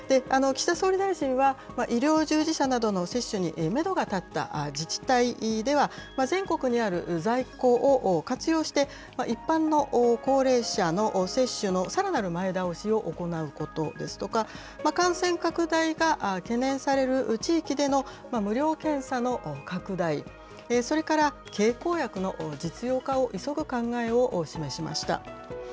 岸田総理大臣は、医療従事者などの接種にメドが立った自治体では、全国にある在庫を活用して、一般の高齢者の接種のさらなる前倒しを行うことですとか、感染拡大が懸念される地域での無料検査の拡大、それから経口薬の実用化を急ぐ考えを示しました。